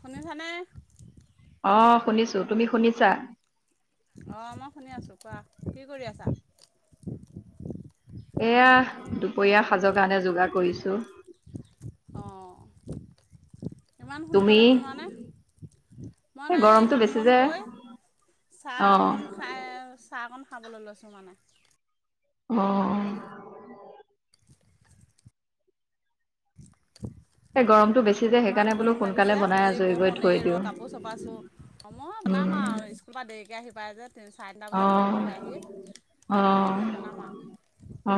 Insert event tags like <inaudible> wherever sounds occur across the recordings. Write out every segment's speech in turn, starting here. শুনিছানে অ শুনিছো তুমি শুনিছা? অ মই শুনি আছো কোৱা কি কৰি আছা। এয়া দুপৰীয়া সাজৰ কাৰণে যোগাৰ কৰিছো। অঁ ইমান তুমি সোনকালে বনোৱা নে? মই এই নাই এ গৰমটো কাম বেছি বন যে কৰি চাহ অ অকণ খাই চাহকণ খা খাবলৈ লৈছোঁ মানে। অ <unintelligible> এই গৰমতটো বেছি যে ইমান সেইকাৰণে বোলো গৰম সোনকালে লাগিছে বনাই আজৰি কৰি থৈ দিওঁ। সময় বনাম উম আৰু স্কুলৰ পৰা দেৰিকে আহি পায় যে তিনি চাৰে তিনিটা অ বজাত পাবহে অ আহি লাহে ধিৰে বনাম আৰু। অ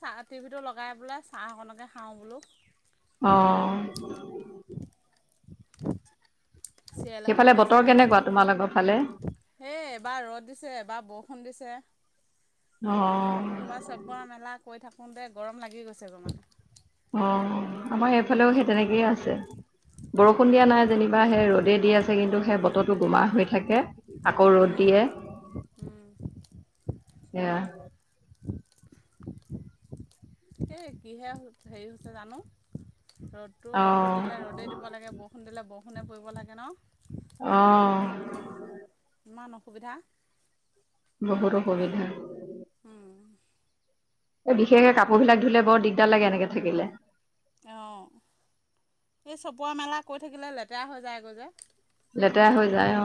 চাহ টিভিটো লগাই পেলাই চাহ অকণকে খাওঁ বোলো। অ চিৰিয়েল সেইফালে এখনকে চাই বতৰ আছোঁ। কেনেকোৱা তোমালোকৰ ফালে সেই এবাৰ ৰ'দ দিছে এবাৰ বৰষুণ দিছে অ কাপোৰ খোপা চপোৱা মেলা কৈ থাকো তে গৰম লাগি গৈছেগৈ মানে অ আমাৰ এ ফালেও সেই তেনেকেই আছে বৰষুণ অঁ দিয়া নাই যেনিবা সেই ৰ'দে দি আছে কিন্তু সেই বতৰ টো গোমা হৈ থাকে আকৌ ৰ'দ উম দিয়ে উম সেয়া তাকে কিহে হেৰি হৈছে জানো ৰ'দটো ৰ'দটো অ দিলে ৰ'দেই দিব লাগে বৰষুণ দিলে বৰষুণে পৰিব লাগে ন অ ইমান অসুবিধা বহুত অসুবিধা এ বিশেষকে কাপোৰ বিলাক ধুলে বৰ দিগদাৰ লাগে এনেকে থাকিলে অ এই চপোৱা মেলা কৈ থাকিলে লেতেৰা হৈ যায় গৈ যে লেতেৰা হৈ যায় অ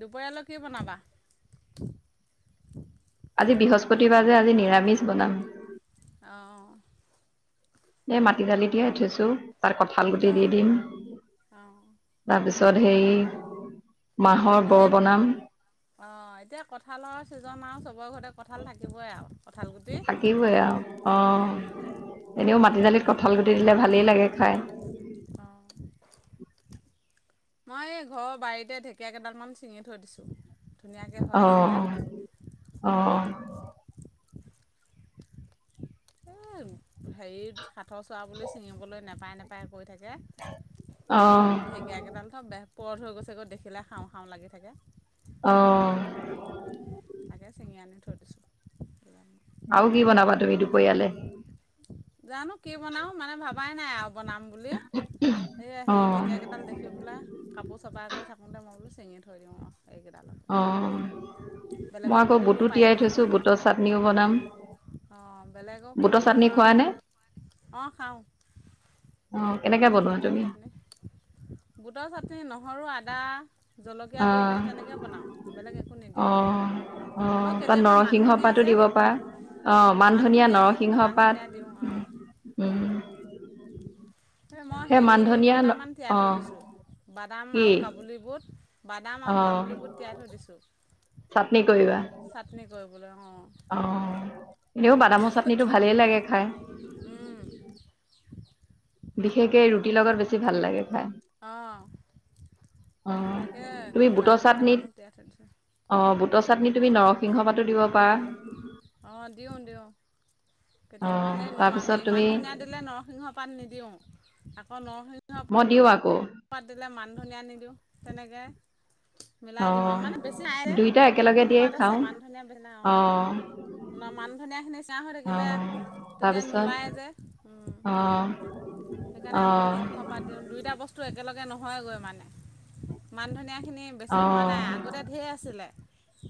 দুপৰীয়ালৈ কি বনাবা আজি বৃহস্পতিবাৰ যে আজি নিৰামিষ বনাম অ এ মাটি দালি তিয়াই থৈছো তাত কঁঠাল গুটি অঁ দি দিম অঁ তাৰপিছত পিছত হেৰি মাহৰ বৰ বনাম অ এতিয়া কঁঠালৰ ছিজন আও চবৰে ঘৰতে কঁঠাল থাকিবই আও থাকিবই আও অ এনেও মাটি দালিত কঁঠাল গু টি দিলে ভালেই লাগে খাই অঁ মই এই ঘৰৰ বাৰীতে ঢেকীয়া কেইডালমান চিঙি থৈ দিছোঁ ধুনীয়াকে হৈ আছিলে অ' অ এই হেৰি সাথৰ চোৱা বুলি ছিঙিবলৈ নেপায় নেপায় কৈ থাকে মই অ' বোলো ঢেকীয়াকেইডাল পুৰথ হৈ গৈছেগৈ দেখিলে খাওঁ খাওঁ লাগি থাকে অ' চিঙি আনি থৈ দিছোঁ আও কি বনাবা তুমি দুপৰিয়ালে জানো কি বনাও মানে ভাবাই নাই আও বনাম বুলি এই হেৰি অ' ঢেকীয়াকেইডাল দেখি বোলা কাপোৰ চপা কৰি থাকোঁতে মই বোলো চিঙি থৈ দিওঁ আৰু এইকেইডালকে অ মই বেলেগক আকৌ সুধিলোঁ বুটো তিয়াই থৈছো বুটৰ চাটনিও বনাম অ বেলেগক বুটৰ সুধিলোঁ চাটনি আও খোৱা নে? অ খাওঁ অ কেনেকে বনোৱা বুটৰ তুমি চাটনি বুটৰ চাটনি নহৰু আদা জলকীয়া দি অ', পেলাই তেনেকই বনাওঁ বেলেগ একো নিদিওঁ অ', অ আকৌ তাত কেতিয়াবা মান নৰসিংহ ধনিয়া পাতো যে দিব পাৰা অ', মান ধনিয়া যে নৰসিংহ মান পাত ধনিয়া দিওঁ আৰু উম এ মই সেই হেৰি মান ধনিয়া কেইটামান তিয়াই থৈ অ', দিছো বাদাম কি? আও কাবুলী বোত বাদাম আৰু অ', কাবুলীবোত তিয়াই থৈ দিছোঁ। চাটনি কৰিবা চাটনি কৰিবলৈ অঁ অ এনেও বাদাম চাটনিটো ভালেই লাগে খাই। ৰুটি লগত বেছি ভাল লাগে। খাই। অ অ তুমি বুটৰ কেইটামানো চাটনিত তিয়াই থৈ দিছোঁ অ বুটৰ চাটনিত তুমি নৰ সিংহপাতো দিব পাৰা। অ', দিওঁ দিওঁ কেতিয়াবা, অ', এই মা তাৰপিছত হেৰি তুমি মান ধনিয়া দিলে নৰসিংহ পাত নিদি উ', আকৌ নৰসিংহ মই দিওঁ আকৌ পাত দিলে মান ধনিয়া নিদিওঁ, তেনেকে মিলাই দিওঁ আও, অঁ মানে বেছি নাই যে দুইটা একেলগে নৰসিংহ দিয়ে পাত আছে, খাওঁ মান ধনিয়া বিনা, অ'। অঁ মা-মান ধনিয়া খিনি চাহ হৈ থাকিলে। অঁ তেতিয়া নোলায় তাৰপিছত, যে অ'। সেইকাৰণে অকল নৰসিংহ পাত দিওঁ, দুইটা বস্তু একেলগে নহয়গৈ মানে। মান ধনিয়াখিনি বেছি হোৱা অঁ নাই আগতে ধেৰ আছিলে,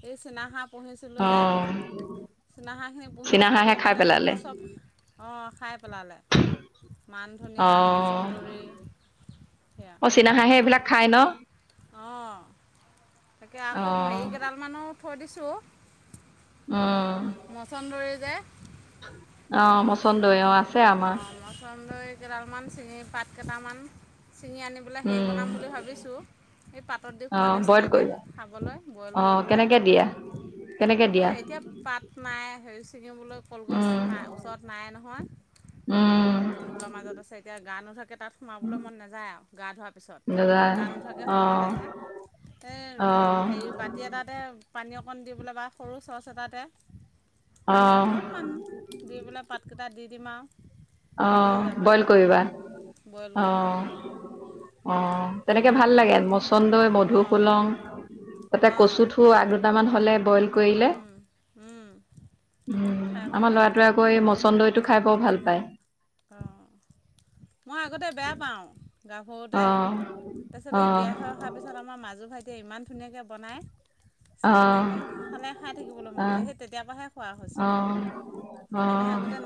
এই চিনা হাঁহ পুহিছিলোঁ যে, অঁ চিনা হাঁহখিনি পুহি থাকোঁতে চীনাহাঁহে খাই মানে পেলালে এনেকে চব অ', খাই পেলালে মান ধনিয়া অ', মচন্দৰী অ চিনা হাঁহে এইবিলাক খাই নহ? অ', তাকে আকৌ অঁ হেৰি কেইডালমানো থৈ দিছোঁ উম। মছন্দৰী যে অ' মছন্দৰী, অ আছে আমাৰ। লৈ কেইডালমান চিঙি, পাত কেইটামান চিঙি আনি পেলে হেই উম বনাম বুলি ভাবিছোঁ। সেই পাতত দি খোৱা নিচিনাকে, খাবলৈ বইল কৰি অ', পেলাই কেনেকে দিয়ে? এই এতিয়া পাত নাই হেৰি ছিঙিবলৈ কলগছ উম নাই, ওচৰত নাই নহয়। উম দূৰত জংঘলৰ মাজত আছে এতিয়া গা নুধুৱা তাত সোমাবলৈ মন নাযায় আও গা ধোৱাৰ পিছত, দাদা গা নোধোৱাকে অঁ সোমালেহে এই অঁ হেৰি বাতি এটাতে পানী অকণ দি পেলে বা সৰু চৰ্চ এটাতে, পানী অঁ অকণমান দি পেলাই পাত কেটা দি দিম আও অ', বইল কৰিবা বইল অ' কৰিম আৰু অ', তেনেকে ভাল লাগে মছন্দৰী, অঁ মধুসোলং তাতে অঁ কচু থো, আগ দুটামান হলে বইল কৰিলে উম, খাই ভাল আমাৰ লাগে ল'ৰাটোৱ আকৌ এই মছন্দৰীটো খাই বৰ ভাল পায়। অ', মই আগতে বেয়া পাওঁ গাভৰুতে, অ তাৰছত অ এই বিয়া হৈ অহাৰ পিছত আমাৰ মাজু ভাইটিয়ে ইমান ধুনীয়াকৈ বনায় অ অ চাটনিকণ খালে খাই থাকিবলৈ মন যায়, সেই তেতিয়াৰ পৰাহে খোৱা হৈছোঁ। অ অ এনেই আগতে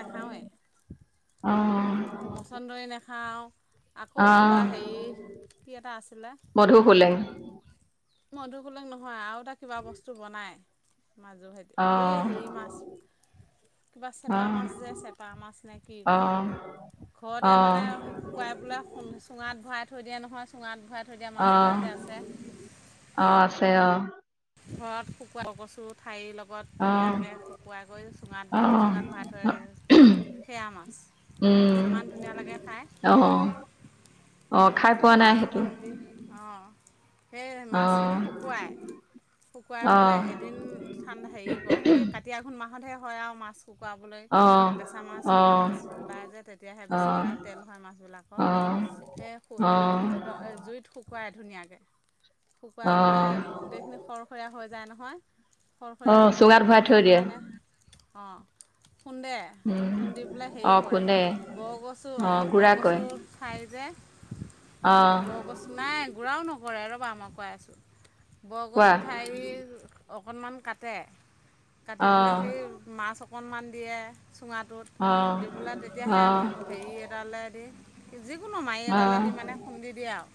অ নেখাওঁৱেই। মছন্দৰী নেখাওঁ আকৌ অ কিবা হেৰি মধুসোলেং মধুসোলেং নহয় আৰু এটা কিবা বস্তু বনাই মাজো ভাইটি। অ এই হেৰি মাছ কিবা অ চেপা মাছ যে, চেপা মাছ নে কি অ কয়। অ ঘৰতে অ মানে সেই শুকুৱাই পেলাই সো চুঙাত ভৰাই থৈ দিয়ে নহয়, চুঙাত ভৰাই থৈ দিয়া মাছ এটা যে অ', আছে অ' আছে অ'। ঘৰত শুকুৱা কচুৰ ঠাৰিৰ লগত লগত অ ধুনীয়াকে শুকুৱাই কৰি চুঙাত অ বাঁহৰ চুঙাত ভৰাই থৈ, সেইয়া মাছ ইমান উম, ধুনীয়া লাগে খাই অ', অ' খাই পোৱা নাই খাৰ সেইটো অকন দি, অ'। সেই অ মাছখিনি শুকুৱাই শুকুৱাই বোলে অ এদিন থান হেৰি কৰ, এই কাতি আঘোণ মাহতহে হয় আও মাছ শুকুৱাবলৈ, অ', বেচা মাছ অ', কিবা অ', মাছ ওলাই যে তেতিয়াহে বেছি ওলায় তেল হয় মাছবিলাকৰ অ', এ সু জুই অ', ৰ'দত অ জুইত শুকুৱাই ধুনীয়াকে। শুকুৱাই পিলে অ', গোটেইখিনি সৰসৰীয়া হৈ যায় নহয় সৰখৰীয়া অ', হোৱাৰ পিছত চুঙাত ভৰাই থৈ এদিন দিয়ে, মানে, অ' খুন্দে উম, খুন্দি পেলে হেৰি অ', কৰে, খুন্দে, বৰকচু অ' গুড়া কৰে, বৰকচু খাই যে অ', বৰকচ নাই গুৰাও নকৰে ৰ'বা মই কৈ আছোঁ। কোৱা, বৰকচুৰ ঠাৰি অকণমান কাটে কাটি পেলাই অ', সেই মাছ। অকণমান দিয়ে চুঙাটোত অ', অ', দি পেলাই তেতিয়াহে অ', হেৰি এডালে। যিকোনো মাৰি এডালে দি মানে খুন্দি দিয়ে আওঁ।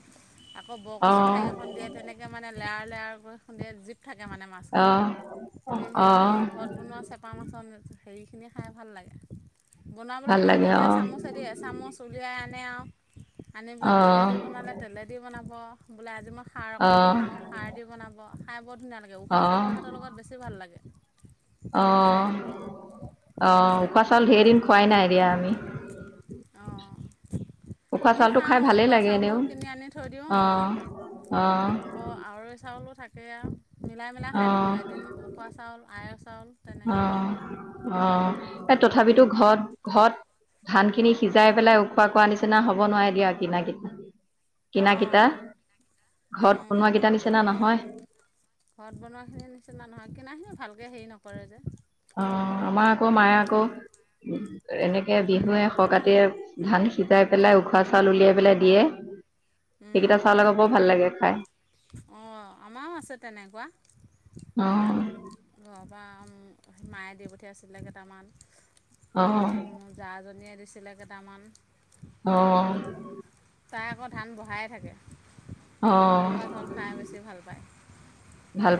আকৌ বৰকচু অ', ঠাৰি এখন দিয়ে তেনেকে মানে লেয়াৰ লেয়াৰ কৈ খুন্দে। থাকে মানে মাছখিনি অ', এই সেইখিনি অ', ঘৰত বনোৱা চেপা মাছৰ। হেৰিখিনি খাই ভাল লাগে বনাবলৈ ভাল সময়ত লাগে তেতিয়া অ', চামুচে দিয়ে এ চামুচ উলিয়াই আনি। আনে আউ আনি পেলাই অ', তেলেদি বনালে তেলেদি বনাব বোলে আজি মই। সাৰ অকণ দি অ', খাওঁ খাৰ দি বনাব খাই বৰ ধুনীয়া লাগে অ', উখোৱা চাউলৰ ভাতৰ লগত বেছি ভাল লাগে। খাই অঁ। অ উখুৱা তেনেকৈ চাউল ধেৰ দিন খুৱাই নাই দিয়া আমি। অঁ উখোৱা আমি চাউলটো খাওঁ খাই উ ভালেই খোৱা লাগে চাউলো এনেও, কিনি আনি থৈ দিওঁ অ। অ', আকৌ আউৰই চাউলো থাকে আও। মিলাই মিলাই খাই অ', থাকোঁ এদিন উখোৱা চাউল আয়ৰ চাউল তেনেকে। এ তথাপিতো ঘৰত ঘৰত। ধান খিনি সিজাই পেলাই উখোৱা কৰা নিচিনা হ'ব নোৱাৰে দিয়া কিনা কিনি। অঁ কিনাকিটা ঘৰত অঁ বনোৱা কেইটা নিছেনা নহয়। ঘৰত বনোৱা খিনিৰ নিচিনা নহয় কিনাখিনি ভালকে হেৰি নকৰে যে। অ আমা আকৌ মাযে আকৌ। এনেকে বিহুৱে খ কতি ধান সিজাই পেলাই উখোৱা চাউল উলিয়াই পেলাই দিয়ে। সেইকেইটা চাউল আক বৰ ভাল লাগে খাই। অঁ আমাৰো আছে তেনেকুৱা অঁ। তা পা মায়ে দি পঠিয়াইছিলে কেইটামান অ', তাৰপিছত মোৰ জাজনীয়ে দিছিলে। ছিলে কেইটামান। অ। তাই আকৌ ধান বঢ়াই থাকে অ', উখৱা চাউল খাই বেছি ভাল পায়।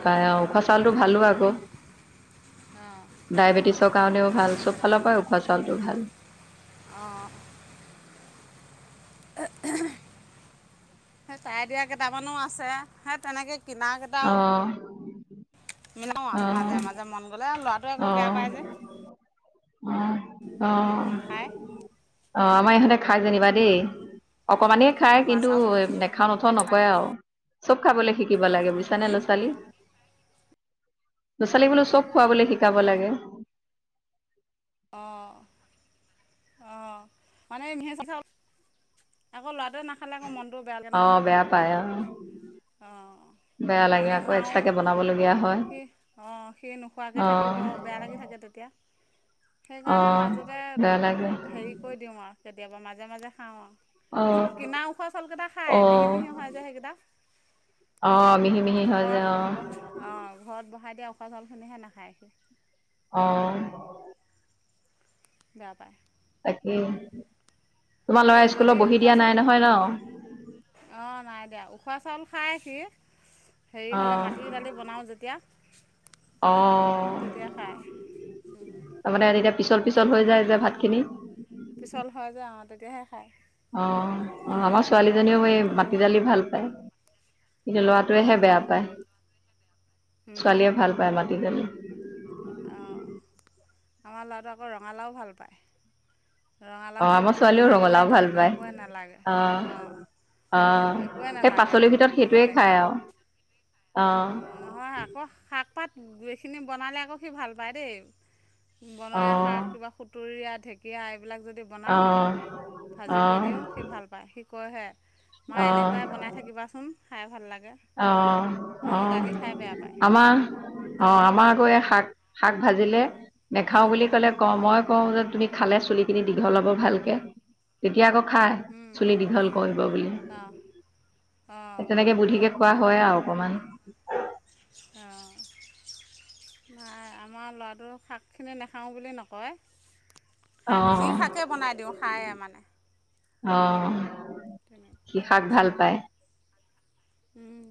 খাই আউ উখোৱা চাউলটো ভালো আকৌ। অঁ ডায়েবেটিছৰ কাৰণেও ভাল চব ফালৰ পৰাই উখৱা চাউলটো ভাল। অঁ। অঁ হম্ হম্। সেই চাই দিয়া কেইটামানো আছে সেই তেনেকে কিনা কেইটাও। মিলাও আউ অ', মাজে অ', মাজে মন গ'লে ল'ৰাটোৱে আকৌ বেয়া পায় যে। অ', অ অ নাখায় অ আমাৰ ইহঁতে। খাই যেনিবা দেই অকমানেই খাই উখোৱা কিন্তু চাউল নেখাও নথও নকৰে আউ। চব খাবলৈ শিকিব লাগে বুজিছা নে হুম? ল'ৰা ছোৱালী। ল'ৰা ছোৱালী বোলো চব খুৱাবলৈ শিকাব লাগে। অঁ অঁ মানে মিহে চা। আকৌ ল'ৰাটোৱে নাখালে আকৌ মনটো বেয়া লাগে নহয় অ', বেয়া পায় অ', অঁ। বেয়া লাগে আমি আকৌ খাওঁ এক্সট্ৰাকে বনাবলগীয়া হয়। সি অঁ সি নোখোৱাকে অ', থাকিব বেয়া লাগি থাকে তেতিয়া। যা সেইকাৰণে অ', মাজতে বেয়া লাগে হেৰি কৰি দিওঁ আউ কেতিয়াবা। মাজে মাজে খাওঁ আৰু কিন্তু অ', কিনা ওখোৱা চাউল কেইটা খাই মিহি অ'। মিহি হয় যে সেইকেইটা। অ', মিহি মিহি হয় যে ঘৰত অ', বহা অ ঘৰত বহাই। তেতি উখা জলখিনিহে নাখায়ি। অ। বেয়া পায়। তাকাকে। তোমাৰ এই লৰা যদি স্কুলত বহি উখোৱা দিয়া চাউল নাই নহয় ন। খোৱা চাউল খায় সি, হেৰি হ'লে অ', মাটি দালি বনাওঁ যেতিয়া। অ। অ, তেতিয়া খায় তাৰমানে এতিয়া পিছল পিছল হৈ যায় তেনেকৈ যে খায় ভাত খিনি। পিছল হয় যে অ অ অ আমাৰ নহ'লে নাখায় ছোৱালীজনীও এই মাটি দালি ভাল পায়। কিন্তু লৰাটোৱেহে অঁ বেয়া পায়। ছোৱালীয়ে ভাল পায় মাতি ডালি অঁ আমাৰ লাৰাটো আকৌ ৰঙালাও ভাল পায়। ৰঙালাও অ', আমাৰ চব্জি ছোৱালীও বনাই ৰঙালাও দিলে ভাল তাক পায় একোৱেই নালাগে অ', অঁ। অ একোৱে সেই নালাগে আৰু পাচলিৰ ভিতৰত সেইটোৱে বেলেগ খাই আৰু। অ। অঁ নহয় আকৌ শাক পাত এইখিনি বনালে আকৌ সি ভাল পায় দেই। অ', অ', বনৰিয়া শাক কিবা সুতুৰিয়া ঢেকীয়া এইবোৰ এইবিলাক যদি অ', বনাওঁ ভাজি কৰি দিওঁ সি ভাল পায় সি কয়হে। মা অ', এনেকুৱাই বনাই থাকিবাচোন খাই ভাল লাগে। অ মানে অ সি দালি খাই বেয়া পায় আমাৰ, অ আমাৰ আকৌ এ শাক শাক ভাজিলে, নেখাও বুলি কলে কওঁ মই কওঁ যে তুমি খালে চুলি খিনি দীঘল হব ভালকে এতিয়া আকৌ খাই চুলি দীঘল কৰিব বুলি, অঁ অঁ তেনেকে বুদ্ধিকে। খোৱা হয় আৰু অকমান। অঁ। ন আমাৰ ল'ৰাটো শাকখিনি নেখাওঁ বুলি নকয়। শাক যি অঁ থাকে বনাই দিওঁ খায়ে মানে। অ তেনেকুৱা সি শাক ভাল পায়। উম।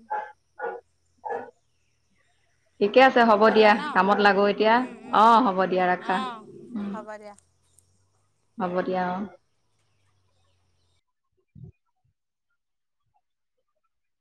হয়। ঠিকে আছে হ'ব দিয়া কামত লাগো এতিয়া অ হ'ব দিয়া ৰাখা উম া <unintelligible> হব দিয়া অ